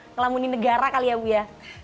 ngelamuni negara kali ya bu ya